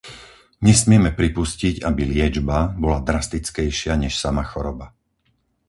Nesmieme pripustiť, aby liečba bola drastickejšia než sama choroba.